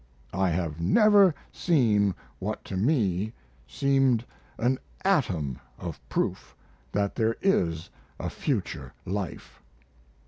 I have never seen what to me seemed an atom of proof that there is a future life."